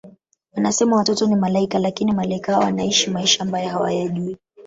Wanasema watoto ni Malaika lakini Malaika hao wanaishi maisha ambayo hawajui